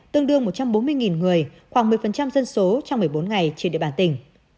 tương đương một trăm bốn mươi người khoảng một mươi dân số trong một mươi bốn ngày trên địa bàn tỉnh